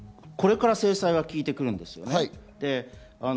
これから制裁は効いてくるんですよね。